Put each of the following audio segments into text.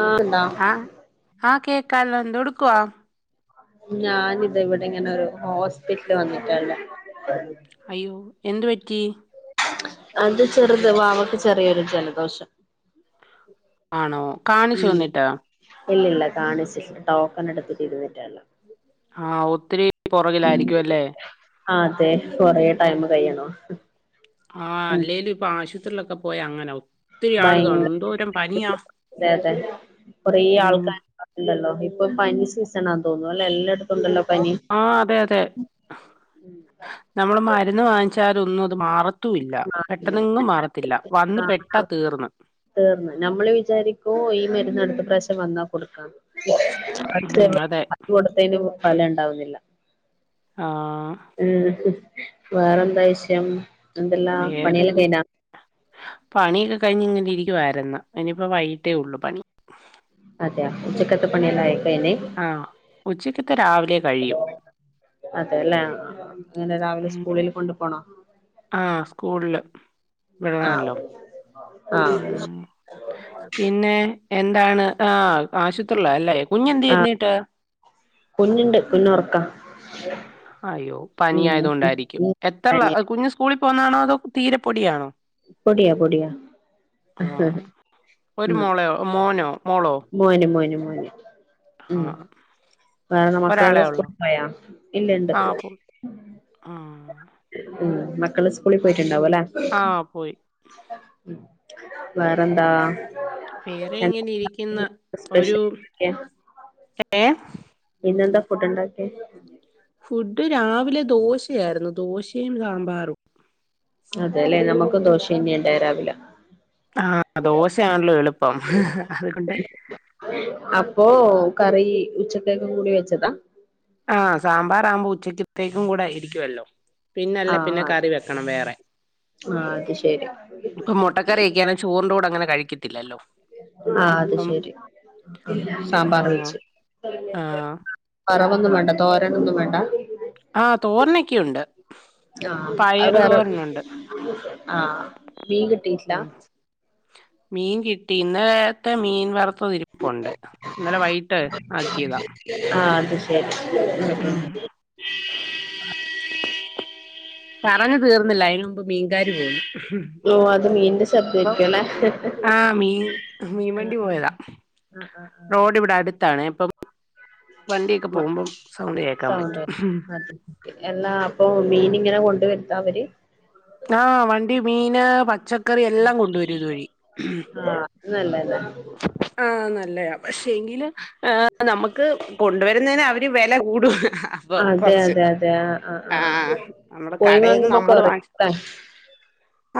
ആഹ് ടാ ആഹ ആഹ് കേക്കല്ലോ എന്തെടുക്കുവാ ഞാനിതിവിടെ ഇങ്ങനെ ഒരു ഹോസ്പിറ്റല് വന്നിട്ടാള്ളെ അയ്യോ എന്ത് പറ്റി അത് ചെറുത് വാവക്ക് ചെറിയൊരു ജലദോഷം ആണോ കാണിച്ചോ എന്നിട്ട് ഇല്ല ഇല്ല കാണിച്ച് ടോക്കൺ എടുത്ത് ഇരുന്നിട്ടേയുള്ളു ആഹ് ഒത്തിരി പുറകിലായിരിക്കും അല്ലേ അതെ കൊറേ ടൈമ് കഴിയണോ ആഹ് ഉം അല്ലേലും ഇപ്പൊ ആശുപത്രിയിലൊക്കെ പോയാ അങ്ങനാവും ഭയങ്കര വേദന കൊറെ ഉം ആൾക്കാര്ണ്ടാവും ഉണ്ടല്ലോ ഇപ്പൊ പനി സീസണാന്ന് തോന്നുണു അല്ല എല്ലായിടത്തും ഉണ്ടല്ലോ പനി ആഹ് അതെ അതെ നമ്മള് മരുന്ന് വാങ്ങിച്ചാല് ഒന്നും അത് മാറ ത്തുല്ല പെട്ടന്നെങ്ങും മാറത്തില്ല ആഹ് വന്ന് പെട്ടാ ആഹ് തീർന്ന് തീർന്ന് നമ്മള് വിചാരിക്കും ഈ മരുന്ന് അടുത്ത പ്രാവശ്യം വന്നാ കൊടുക്കാം പക്ഷേ ഉം അതെ പത്തു കൊടുത്തേന് ഫലം ഉണ്ടാവുന്നില്ല ആഹ് വേറെന്താ വിഷയം എന്തെല്ലാ വേറെ പണിയെല്ലാം എങ്ങും കഴിഞ്ഞാ പണിയൊക്കെ കഴിഞ്ഞ് ഇങ്ങനിരിക്കുവായിരുന്നു ഇനിയിപ്പോ വൈകിട്ടേ ഉള്ളു പണി [inaudible] അതയോ ഉച്ചക്കത്ത പണിയെല്ലാം ആയ ആഹ് ഉച്ചക്കത്തെ രാവിലെ കഴിയും അതെല്ലേ ആഹ് ആഹ് എങ്ങനെ രാവിലെ സ്കൂളില് കൊണ്ട് പോണോ ആഹ് സ്കൂളില് വിടണല്ലോ ആഹ് ആഹ് ഉം പിന്നെ എന്താണ് ആഹ് ആശുപത്രിള അല്ലേ കുഞ്ഞ് എന്ത്യാ ആഹ് എന്നീട്ട് കുഞ്ഞുണ്ട് കുഞ്ഞുറക്ക അയ്യോ പനി ആയത് കൊണ്ടായിരിക്കും എത്രള്ള കുഞ്ഞ് സ് സ്കൂളിൽ പോവുന്നതാണോ അതോ തീരെ പൊടിയാണോ പൊടിയാ പൊടിയാ ആഹ് ഒരു ഉം മോളയോ മോനോ മോളോ മോന് മോന് മോന് ആ. ഉം വേറെ മക്കളെല്ലാം സ്കുളിൽപോയോ ആഹ് പോയി ആഹ് ഉം മക്കള് സ്കൂളി പോയിട്ടുണ്ടാവും അല്ലേ ആഹ് പോയി ഉം വേറെന്താ വേറെയിങ്ങനെയിരിക്കുന്ന് ഒരു സ്പെഷ്യൽ ഒക്കെ ഏഹ് ഇന്നെന്താ ഫുഡുണ്ടാക്കിയെ ഫുഡ് രാവിലെ ദോശയായിരുന്നു ദോശയും സാമ്പാറും അതെലെ നമുക്കും ദോഷന്നെ ഉണ്ടായെ രാവില ആഹാ ദോശയാണല്ലോ എളുപ്പം അതുകൊണ്ട് അപ്പോ കറി ഉച്ചത്തേക്കും കൂടി വെച്ചതാ ആഹ് സാമ്പാറാകുമ്പോ ഉച്ചക്കത്തേക്കു കൂടെ ഇരിക്കുവല്ലോ പിന്നല്ല ആഹ് പിന്നെ അതെ കറി വെക്കണം വേറെ ആഹ് അത് ശരി ഇപ്പൊ മുട്ടക്കറി ക്കെ ചോർന്റെ കൂടെ അങ്ങനെ കഴിക്കത്തില്ലല്ലോ ആഹ് അത് അപ്പം ശെരി സാമ്പാർ ആഹ് വെച്ച് ആഹ് പറവൊന്നും വേണ്ട തോരനൊന്നും വേണ്ട ആഹ് തോരനെക്കെയുണ്ട് ആഹ് അത് വേറെ ആഹ് മീൻ കിട്ടീട്ടില്ല ഉം മീൻ കിട്ടി ഇന്നലത്തെ മീൻ വറുപ്പു ഇരിപ്പുണ്ട് ഇന്നലെ വൈട്ട് ആക്കിതാ ആഹ് അത് ശെരി ഉം ഉം പറഞ്ഞ് തീർന്നില്ല അയ്ന് മുമ്പ് മീൻകാര് പോന്നു ഓഹ് അത് മീന്റെ ശബ്ദേക്ക്യൊലേ ആഹ് മീൻ മീൻ അ വണ്ടി അ പോയതാ അഅ ആഹ് ട്ടാണേപ്പം വ സൗണ്ട് കേക്കാൻ സൗണ്ടേ പറ്റും അത് എല്ലാ അപ്പൊ മീനിങ്ങനെ കൊണ്ടുവര്ത്താ അവര് ആഹ് വണ്ടി മീന് പച്ചക്കറി എല്ലാം കൊണ്ടുവരുതുവഴി ആഹ് നല്ലതാ ആഹ് നല്ലെയാ പക്ഷെങ്കില് ഏഹ് നമുക്ക് കൊണ്ടുവരുന്നേന് അവര് വെല കൂടും പ്പം അതെ കൊറ്ച്ച് അതെ അതെ ആഹ് ആഹ് നമ്മൾ പോയി കടേന്ന് വാങ്ങുമ്പോ നമ്മൾ കൊറേ വാങ്ങ ആഹ്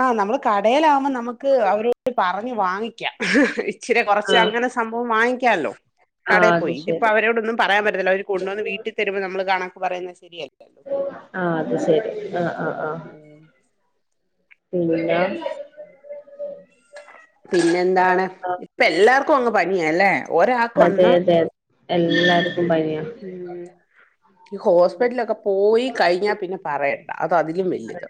ആഹ് നമ്മള് കടേലാവുമ്പ നമുക്ക് അവരോട് പറഞ്ഞ് വാങ്ങിക്കാ ഇച്ചരേ കൊറച്ച്ങ്ങനെ സംഭവം വാങ്ങിക്കാല്ലോ ആഹ് കടേ അത് പോയി ശരി ഇതിപ്പവരോടൊന്നും പറയാ പറ്റത്തില്ല അവര് കൊണ്ടോന്ന് വീട്ടി തരുമ്പം നമ്മൾ കണക്ക് പറയുന്നെ ശെരിയല്ല ആഹ് അത്ശെരി ആഹ് ആഹ് ആഹ് [inaudible] പിന്നാ പിന്നെന്താണ് വേറെന്താ ഇപ്പെല്ലാർക്കൊങ്ങ് പനിയാല്ലേ ഒരാൾക്ക് അതെ വന്നാ അതെ എല്ലാർക്കും പനിയാ ഉം ഹോസ്പിറ്റലൊക്കെ പോയി കയിഞ്ഞാ പിന്നെ പറയണ്ട അത് അതിലും വെല്ല്യത്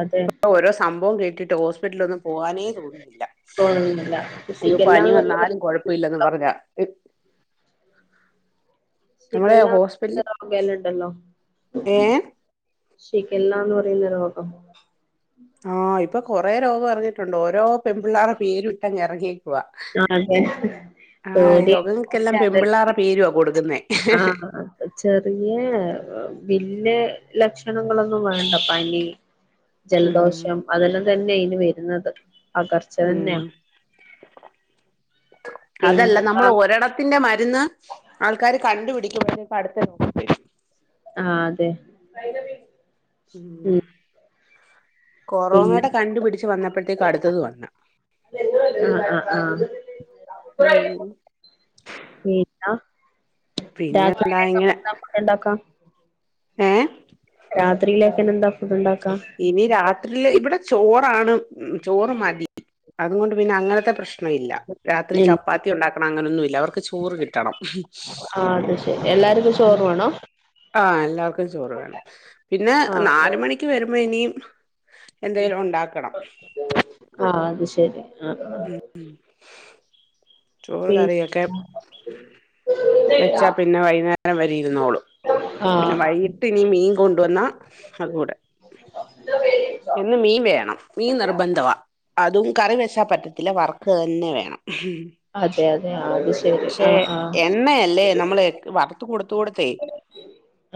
അതെ ഇപ്പൊ ഓരോ സംഭവം കേട്ടിട്ട് ഹോസ്പിറ്റലൊന്നും പോവാനേ തോന്നുന്നില്ല തോന്നുന്നില്ല അയ്യോ പനി വന്നാലും കൊഴപ്പൊല്ലെന്ന് പറഞ്ഞാ നമ്മളെ ഷിഗെല്ലാ ഹോസ്പിറ്റലിൽ [unintelligible] ണ്ടല്ലോ ഏ ഷിഗെല്ലാന്ന് പറയുന്ന രോഗം ആഹ് ഇപ്പൊ കൊറേ രോഗ എറ്ങ്ങീട്ടുണ്ട് ഓരോ പെൺപിള്ളേരെ പേരുട്ടങ്ങെറങ്ങി ആഹ് അതെ ആഹ് പേടി രോഗങ്ങൾക്കെല്ലാം പെൺപിള്ളേരെ പേരുവാ കൊടുക്കുന്നേ ചെറിയെ ബില്ല് ലക്ഷണങ്ങളൊന്നും വേണ്ട പനി, ഉം ജല്ദോഷം, അതെല്ലാം തന്നെ ഇയ്ന് വര്ന്നത് ഉം അതല്ല പിന്നെന്താ നമ്മളൊരെട ത്തിന്റെ മരുന്ന് ആൾക്കാര് കണ്ടുപിടിക്കും മുന്ന് അട്ത്ത രോ ആഹ് അതെ [unintelligible] ഉം പിന്നെ കൊറോണേടെ കണ്ട്പിടിച്ച് വന്നപ്പഴത്തേക്ക് അടുത്തത് വന്ന് ആഹ് ആഹ് ഉം വീട്ട്ല ബാ പിന്നെന്താ [unintelligible] ഫുഡ്ണ്ടാക്കാ? ഏഹേ? രാത്രിയിലേക്ക് ഇന്നെന്താ ഫുഡ്ണ്ടാക്കാ? ഇനി രാത്രിയില് ഇവിടെ ചോറാണ് ചോറ് മതി അതുകൊണ്ട് പിന്നെ അങ്ങനത്തെ പ്രശ്നം ഒന്നുവില്ല രാത്രി ചപ്പാത്തിയുണ്ടാക്കണം അങ്ങനെയുന്നുവില്ല അവർക്ക് ചോറ് കിട്ടണം ആഹ് അത് ശരി എല്ലാർക്കും ഉം ചോറ് വേണോ ആഹ് എല്ലാർക്കും ചോറ് വേണം പിന്നെ നാല് ആഹ് മണി ക്ക് വരുമ്പോ ഇനി എന്തേലും ഒണ്ടാക്കണം ആഹ് അത്ശെരി ആഹ് ആഹ് ഉം ചോറും പി കറിയൊക്കെ വെച്ചാ പിന്നെ വൈന്നേരം വെരെ ഇര്ന്നോളും പിന്നെ ആഹ് വൈകിയിട്ട് ഇനി മീൻ കൊണ്ടുവന്നാ അതൂടെ എന്നും മീൻ വേണം മീൻ നിർബന്ധവാ അതും കറി വെച്ച പറ്റത്തില്ല വറക്ക്ക തന്നെ വേണം അതെ അതെ ആ അത് ശരി പക്ഷെ ആഹ് ആഹ് എണ്ണയല്ലേ? നമ്മള് വറുത്ത് കൊടുത്ത് കൊടുത്തേ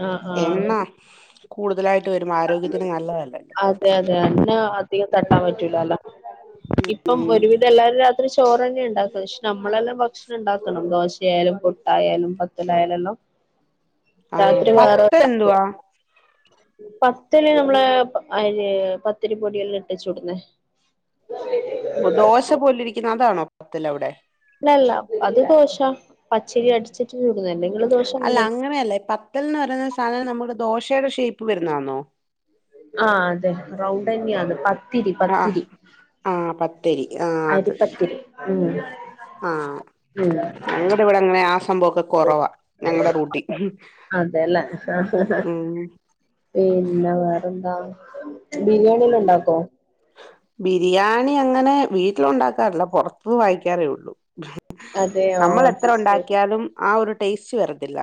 ആഹ് ആഹ് എണ്ണ കൂടുതലായിട്ട് വരുമ്പോ ആരോഗ്യത്തിന് നല്ലതല്ലല്ലോ? അതെ അതെ എണ്ണ അധികം തട്ടാൻ പറ്റൂലല്ലോ? ഇപ്പം ഉം ഒരുവിധം എല്ലാവരും രാത്രി ചോറ് തന്നെ ഉണ്ടാക്കുന്നത് പക്ഷെ നമ്മളെല്ലാം ഭക്ഷണം ഇണ്ടാക്കണം ദോശയായാലും പുട്ട് ആയാലും പത്തലായാലു എല്ലാം ആ രാത്രി വേറെ പത്തൽ ഇണ്ടാക്കും എന്തുവാ പത്തല് നമ്മളെ അരി പത്തിരി പൊടിയെല്ലാം ഇട്ട് ചുടുന്നേ? ഇന്നാ ശരി ഓഹ് ദോശ പോലിയിരിക്കുന്ന അതാണോ പത്തിലവ്ടെ? അല്ലല്ല അത് ദോശ പച്ചരി അടിച്ചിട്ട് ചൂടുന്നതല്ലേ? അല്ല അങ്ങനെയല്ല പത്തൽന്ന് പറയുന്ന സാധനം നമ്മുടെ ദോശയുടെ ഷെയ്പ്പ് വരുന്നയാന്നോ? ആഹ് അതെ റൗണ്ട് തന്നെയന്ന് പത്തിരി പത്തിരി ആഹ് പത്തിരി ആഹ് അത് അരിപ്പത്തിരി ഉം ആഹ് ഉം ഞങ്ങടെ ഇവിടെ അങ്ങനെ ആ സംഭവൊക്കെ കൊറവാ ഞങ്ങടെ റൂട്ടി അതെല്ലേ ഉം പിന്നെ വേറെന്താ? ബിരിയാണിയെല്ലാം ഇണ്ടാക്കോ? ബിരിയാണി അങ്ങനെ വീട്ടില് ഒണ്ടാക്കാറില്ല പൊറത്ത്ന്ന് വായിക്കാറേയൊള്ളു അതെയോ അത് നമ്മളെത്ര ശരി ഒണ്ടാക്കിയാലും ആ ഒരു ടേസ്റ്റ് വെരത്തില്ല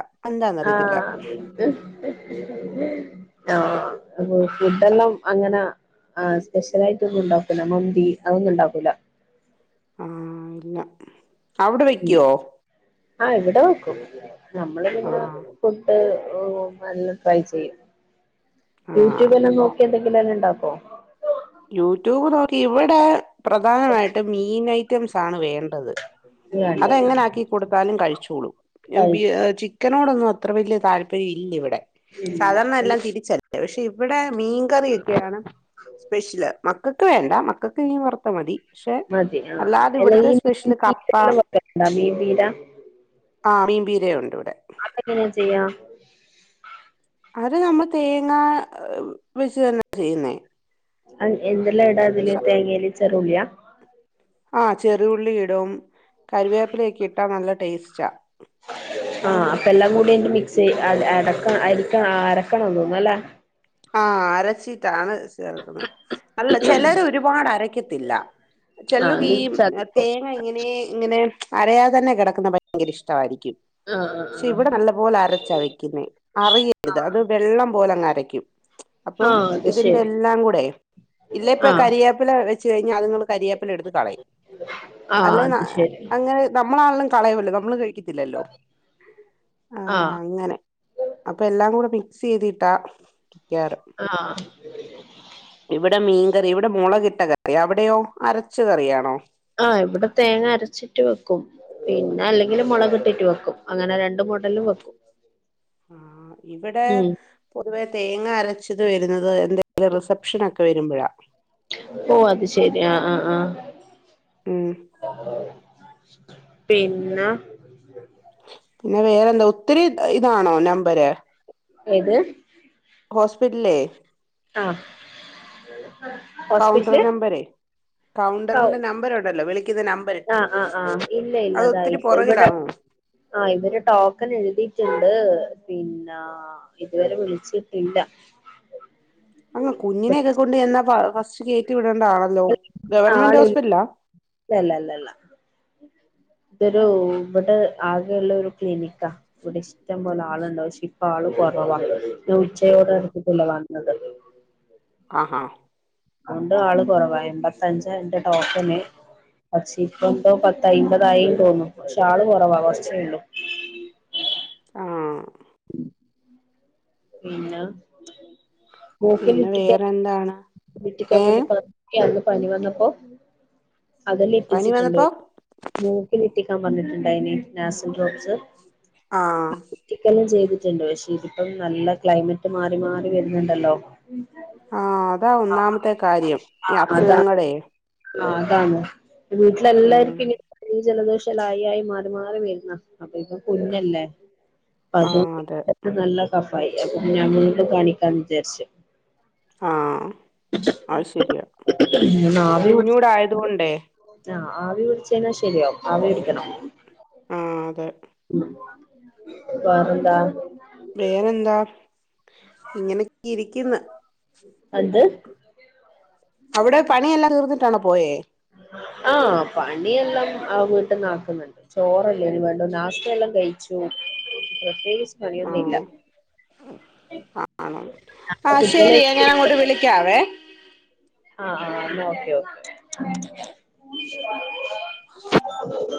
ആഹ് ഓഹോ ഉം ഫുഡ് എല്ലാം അങ്ങനെ എഹ് സ്പെഷ്യലായിട്ടൊന്നും ഇണ്ടാക്കൂല്ല മന്തി അതൊന്നും ഇണ്ടാക്കൂല ആഹ് ഇല്ല അവിടെ ഉം വെയ്ക്ക്യോ? ആഹ് ഇവടെ വെക്കും നമ്മള് ആ പിന്നെ ഫുഡ് നല്ല ട്രൈ ചെയ്യും ആ യൂട്യൂബെല്ലാം നോക്കി എന്തെങ്കിലും തന്നെ ഇണ്ടാക്കോ? യൂട്യൂബ് നോക്കി ഇവിടെ പ്രധാനമായിട്ടും മീനൈ ഐറ്റംസാണ് വേണ്ടത്. വേണ്ട അതെങ്ങനെ ആക്കി കൊടുത്താലും കഴിച്ചോളും. കഴിക്കോ ചിക്കനോടൊന്നും അത്ര വലിയ താല്പര്യം ഇല്ല ഇവിടെ. ഇല്ല സാധാരണ എല്ലാം തിരിച്ച പക്ഷെ ഇവിടെ മീൻകറിയൊക്കെയാണ്. സ്പെഷ്യല്. മക്കക്ക് വേണ്ട. മക്കക്ക് ഇനി വറുത്ത മതി. പക്ഷെ മതി ആ ആ അല്ലാതെ എല്ലെ. ഇവിടുത്തെ സ്പെഷ്യല് കപ്പ [unintelligible] [unintelligible] [unintelligible] ആ മീൻ പീര്യ ഉണ്ട് ഇവിടെ. എങ്ങനെചെയ്യാ. അത് നമ്മൾ തേങ്ങ വെച്ച് തന്നെ ചെയ്യുന്നെ. എന്തെല്ലാം ഇടാ അതില്. തേങ്ങല് ചെറുള്യ. ആഹ് ചെറുഉുള്ളി ഇടും. കരുവേപ്പില ഒക്കെ ഇട്ടാ നല്ല ടേസ്റ്റാ, ആഹ് അപ്പ എല്ലാം കൂടി ഐന്റെ മിക്സ് അടക്ക [unintelligible] അരിക്കണം അരക്കണം തോന്നുന്നു അല്ലേ. ആഹ് അരച്ചിട്ടാണ് ചേർക്കുന്നത്. അല്ല ചെലര് ഒരുപാട് അരക്കത്തില്ല. ആ ചെലോർക്ക് അത് ഈ ചതക്കും തേങ്ങ ഇങ്ങനെ ഇങ്ങനെ അരയാതെ തന്നെ കെടക്കുന്നത് ഭയങ്കര ഇഷ്ട വായിരിക്കും. ആ ആ പക്ഷെ ഇവിടെ നല്ല പോലെ അരച്ചാ വെക്കുന്നെ. അറിയരുത്. അത് വെള്ളം പോലെ അങ് അരക്കും. അപ്പം ആ ആ അത് ഇതിന്റെ ശരി എല്ലാം കൂടെ. ഇല്ല ഇപ്പ ആ കരിവേപ്പില വെച്ച് കഴിഞ്ഞാ അത്ങ്ങൾ കരിയേപ്പില എടുത്ത്. കളയും. ആ അല്ലെ അത് ശരി അങ്ങനെ നമ്മളാണെലും കളയോല്ലോ നമ്മള് കഴിക്കും. ആ അങ്ങനെ. അപ്പൊ എല്ലാം കൂടെ മിക്സീ ചെയ്തിട്ടാ. യാറം. ആ ഇവിടെ മീൻകറി. ഇവിടെ മുളകിട്ട കറി അവിടെയോ അരച്ച കറിയാണോ. ആഹ് ഇവിടെ തേങ്ങ അരച്ചിട്ട് വെക്കും. പിന്നെ അല്ലെങ്കിൽ മുളകിട്ടിട്ട് വെക്കും. അങ്ങനെ രണ്ടുമൂ ലും വെക്കും ആഹ് ഇവിടെ ഉം പൊതുവെ തേങ്ങ അരച്ചത് വരുന്നത് എന്തെങ്കിലും റിസപ്ഷൻ ഒക്കെ വരുമ്പളഴ ഓ അത് ശെരി ആഹ് ആഹ് ആഹ് ഉം പിന്നെ [inaudible] പിന്നെ വേറെന്തോ ഒത്തിരി ഇതാണോ നമ്പര്. ഏത് ഹോസ്പിറ്റ്ലേ. ആഹ് കൗണ്ടർ ഹോസ്പിറ്റല് നമ്പരെ. ഹൗ കൗണ്ടറിന്റെ നമ്പറ് ഇണ്ടല്ലോ വിളിക്കുന്ന നമ്പർ. ആഹ് ആഹ്. ആ ഇല്ല ഇല്ല അതായില്ല ഇവിടെ. പുറകിലാണോ ആഹ് ഇവര് ടോക്കൻ എഴുതിയിട്ടുണ്ട് പിന്നാ ആഹ് ഇതുവരെ വിളിച്ചിട്ടില്ല അങ്ങ് കുഞ്ഞിനെ ഒക്കെ കൊണ്ട് ചെന്നാ ഫസ്റ്റ് കേറ്റി വിടേണ്ട ആണല്ലോ. ഗവൺമെന്റ് ഹോസ്പിറ്റലാ. ഇല്ലല്ലല്ലല്ല. ഇതൊരു ഇബടെ ആകെള്ളരു ക്ലീനിക്കാ ഇവിടെ ഇഷ്ടം പോലെ ആള് ഇണ്ടാവും. പക്ഷെ ഇപ്പ ആള് കൊറവാ ഇന്ന് ഉച്ചയോടടുത്തിട്ടല്ലെ വന്നത് ആ ആഹ്. രണ്ട് ആള് കൊറവ എമ്പത്തഞ്ച് എന്റെ ടോക്കന്. പക്ഷേ ഇപ്പ എന്തോ പത്തയിമ്പതായി തോന്നും. പക്ഷെ ആള് കൊറവാ കൊറ്ച്ചേള്ളൂ ആഹ് ഉം പിന്നെ പിന്നെ മൂക്കിലുറ്റിക്കാൻ വേറെന്താണ് ഉറ്റിക്കാൻ ഏ വേണ്ടി പറ അന്ന് പനി വന്നപ്പോ അതെല്ലാ പനി ഉറ്റിച്ചിട്ടുണ്ട്. വന്നപ്പോ മൂക്കിലുറ്റിക്കാൻ പറഞ്ഞിട്ടുണ്ടായിനി നാസിൽ ഡ്രോബ്സ് ആഹ് ഉറ്റിക്കെല്ലാം ചെയ്തിട്ടുണ്ട് പക്ഷെ ഇതിപ്പം നല്ല ക്ലൈമറ്റ് മാറി മാറി വരുന്നുണ്ടല്ലോ ആഹ് അതാ ഒന്നാമത്തെ കാര്യം ഈ ആഹ് അതാണ് അസുഖങ്ങളേ ആഹ് അതാണ് ഉം വീട്ടിലെല്ലാർക്കുനീ ന് ജലദോഷായി ആയി മാറി മാറി വരുന്ന് അപ്പൊ ഇപ്പൊ കുഞ്ഞല്ലേ ആ അതും അതെ നല്ല കഫായില്ലെ അപ്പൊ ഞാൻ വീണ്ടും കാണിക്കാന്ന് വിചാരിച്ചു ആഹ് അത് ശരിയാ ഒന്ന് ആവി പിടിച്ച് കുഞ്ഞൂടെ ആയതുകൊണ്ടേ ആഹ് ആവി പിടിച്ചെഴിഞ്ഞാൽ ശരിയാവും ആവി പിടിക്കണം ആഹ് അതെ ഉം വേറെന്താ? വേറെന്താ ഇങ്ങനെക്കെ ഇരിക്ക്ന്ന് അന്ത്‌ അവിടെ പണിയെല്ലാം തീർന്നിട്ടാണോ പോയേ ആഹ് പണിയെല്ലാം ആഹ് വീട്ടന്ന് ആക്കുന്നുണ്ട് ചോറല്ലേ ഇനി വേണ്ട നാസ്റ്റെല്ലാം കഴിച്ചു പ്രത്യേകിച്ച് പണിയൊന്നൂല്ല്യ അ ആണോ ആഹ് കുട്ടികള് ശരിയെ ഞാൻ അങ്ങോട്ട് വിളിക്കാവേ ആഹ് ആഹ് ആഹ് ഓക്കെ ഓക്കെ